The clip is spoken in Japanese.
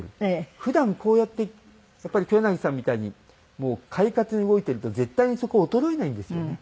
普段こうやってやっぱり黒柳さんみたいに快活に動いてると絶対にそこ衰えないんですよね。